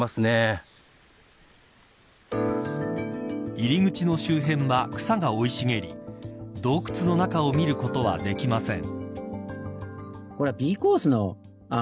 入り口の周辺は草が生い茂り洞窟の中を見ることはできません。